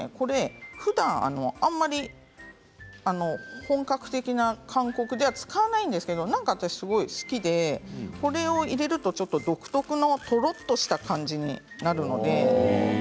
ふだんあまり本格的な韓国では使わないんですけどなんか私すごい好きでこれを入れると独特のとろっとした感じになるので。